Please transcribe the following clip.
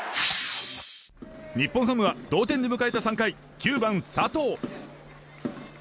日本ハムは同点で迎えた３回９番、佐藤。